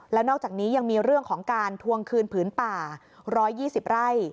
แล้วนอกจากนี้ยังมีเรื่องของการทวงคืนผืนป่า๑๒๐ไร่